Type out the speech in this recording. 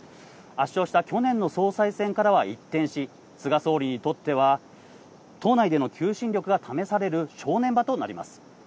圧勝した去年の総裁選からは一転し、菅総理にとっては党内での求心力が試される正念場となります。